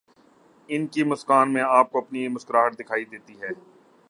ان کی مسکان میں آپ کو اپنی مسکراہٹ دکھائی دیتی ہے۔